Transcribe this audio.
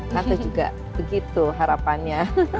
tante juga begitu harapannya